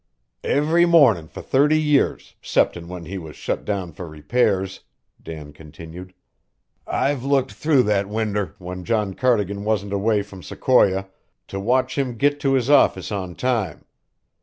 "Every mornin' for thirty years, 'ceptin' when we was shut down for repairs," Dan continued, "I've looked through that winder, when John Cardigan wasn't away from Sequoia, to watch him git to his office on time.